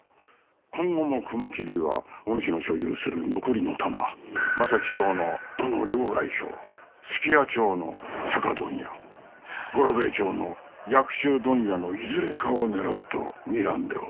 今後も雲霧はお主の所有する残りの店正木町のこの両替商数寄屋町の酒問屋五郎兵衛町の薬種問屋のいずれかを狙うとにらんでおる。